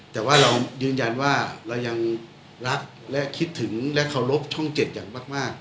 แต่ว่าเรายืนยันว่าเรายังรักและคิดถึงและเคารพช่อง๗อย่างมาก